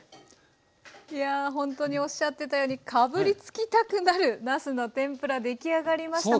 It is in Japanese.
いやほんとにおっしゃってたようにかぶりつきたくなるなすの天ぷら出来上がりました。